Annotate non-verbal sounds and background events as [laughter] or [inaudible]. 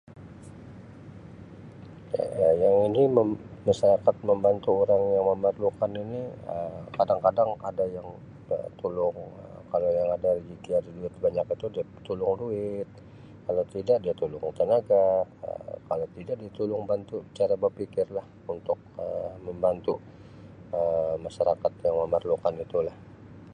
Um Kalau ni masyarakat membantu orang yang memerlukan ini Um kadang-kadang ada yang minta tolong, kalau yang ada [unintelligible] duit banyak, dia tolong duit, kalau tida dia tolong tenaga Um, kalau tida dia tolong bantu cara berpikir lah untuk Um membantu Um masyarakat yang memerlukan itulah.